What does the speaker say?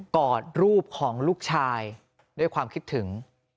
อดรูปของลูกชายด้วยความคิดถึง